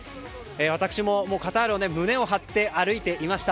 私もカタールを胸を張って歩いていました。